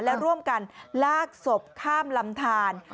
และร่วมกันลากศพข้ามลำทาน